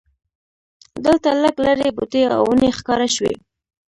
دلته لږ لرې بوټي او ونې ښکاره شوې.